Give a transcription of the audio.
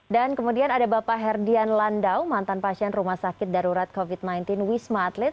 dan kemudian ada bapak herdian landau mantan pasien rumah sakit darurat covid sembilan belas wisma atlet